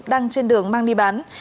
đang trên đường mang đi bán